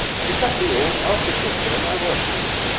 Mum. If that be all, I'll fit your turn, I warrant you.